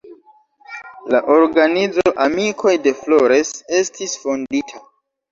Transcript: La organizo "amikoj de Flores" estis fondita.